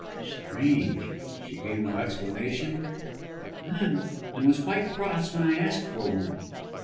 "Strange. She gave no explanation?" "None, and was quite cross when I asked for one."